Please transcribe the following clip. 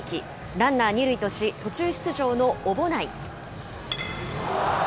ランナー２塁とし、途中出場の小保内。